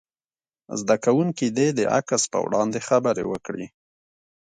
زده کوونکي دې د عکس په وړاندې خبرې وکړي.